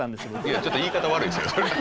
いやちょっと言い方悪いそれは。